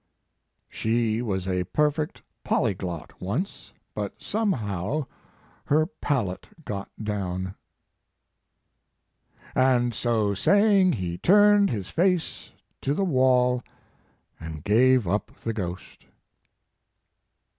"She was a perfect polyglot once, but somehow her palate got down." "And so saying, he turned his face to the wall and gave up the ghost."